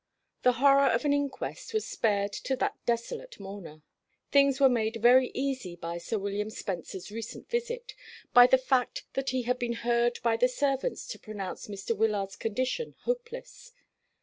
The horror of an inquest was spared to that desolate mourner. Things were made very easy by Sir William Spencer's recent visit, by the fact that he had been heard by the servants to pronounce Mr. Wyllard's condition hopeless.